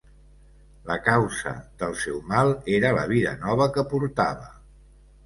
La causa del seu mal era la vida nova que portava